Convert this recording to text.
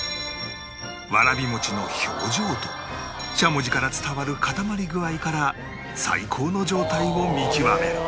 わらび餅の表情としゃもじから伝わる固まり具合から最高の状態を見極める